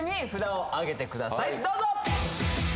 どうぞ！